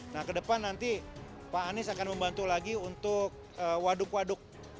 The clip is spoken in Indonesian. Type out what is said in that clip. nah ke depan nanti pak anies akan membantu lagi untuk waduk waduk